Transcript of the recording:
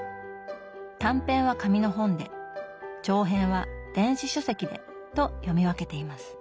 短編は紙の本で長編は電子書籍でと読み分けています。